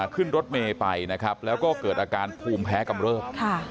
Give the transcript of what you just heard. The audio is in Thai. ขึ้นรถเมย์ไปนะครับแล้วก็เกิดอาการภูมิแพ้กำเริบ